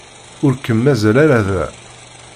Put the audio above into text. Ur kem-mazal ara da.